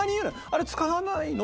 「あれ使わないの？